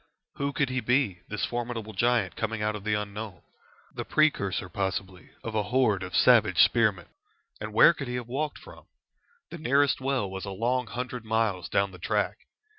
Who could he be, this formidable giant coming out of the unknown? The precursor possibly of a horde of savage spearmen. And where could he have walked from? The nearest well was a long hundred miles down the track.